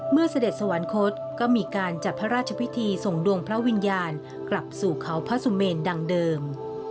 เสด็จสวรรคตก็มีการจัดพระราชพิธีส่งดวงพระวิญญาณกลับสู่เขาพระสุเมนดังเดิม